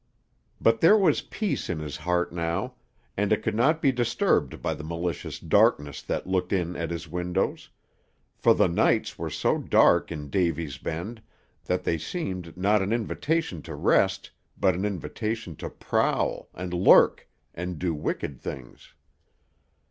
But there was peace in his heart now, and it could not be disturbed by the malicious darkness that looked in at his windows; for the nights were so dark in Davy's Bend that they seemed not an invitation to rest, but an invitation to prowl, and lurk, and do wicked things.